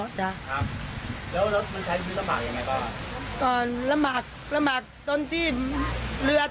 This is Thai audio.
แล้วมันใช้มีลำบากอย่างไรบ้าง